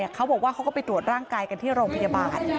เขาบอกว่าเขาก็ไปตรวจร่างกายกันที่โรงพยาบาล